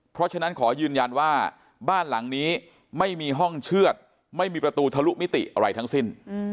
เพราะฉะนั้นขอยืนยันว่าบ้านหลังนี้ไม่มีห้องเชื่อดไม่มีประตูทะลุมิติอะไรทั้งสิ้น